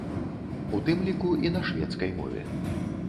У тым ліку, і на шведскай мове.